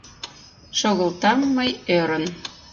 Шогылтам мый ӧрын.